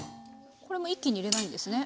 これも一気に入れないんですね。